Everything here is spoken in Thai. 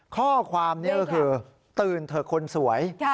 ข้อความนี้ก็คือตื่นเถอะคนสวย